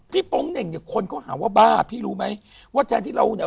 โป๊งเหน่งเนี่ยคนเขาหาว่าบ้าพี่รู้ไหมว่าแทนที่เราเนี่ย